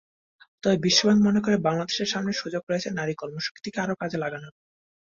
তবে বিশ্বব্যাংক মনে করে, বাংলাদেশের সামনে সুযোগ রয়েছে নারী কর্মশক্তিকে আরও কাজে লাগানোর।